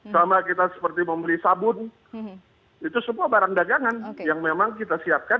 sama kita seperti membeli sabun itu semua barang dagangan yang memang kita siapkan